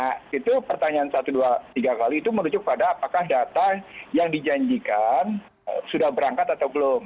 nah itu pertanyaan satu dua tiga kali itu merujuk pada apakah data yang dijanjikan sudah berangkat atau belum